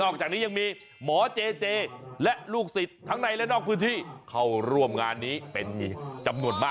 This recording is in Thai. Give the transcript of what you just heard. คือเห็นว่าสกรูอ่ะสวยไหมล่ะ